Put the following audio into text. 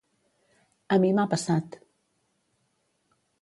A mi m’ha passat.